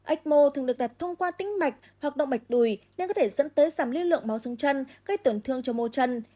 ecmo thường được đặt thông qua tĩnh mạch hoặc động mạch đùi nên có thể dẫn tới giảm lưu lượng máu chân gây tổn thương cho mô chân